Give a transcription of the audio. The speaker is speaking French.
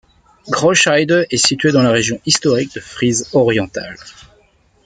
Großheide est située dans la région historique de Frise orientale.